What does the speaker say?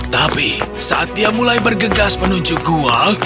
tapi saat dia mulai bergegas menuju gua